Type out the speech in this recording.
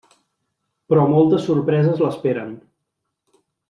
Però moltes sorpreses l'esperen.